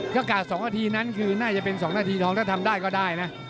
อากาศ๒นาทีนั้นคือน่าจะเป็น๒นาทีทองถ้าทำได้ก็ได้นะ